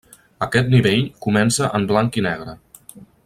Aquest nivell comença en blanc i negre.